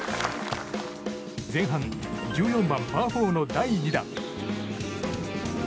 前半１４番、パー４の第２打。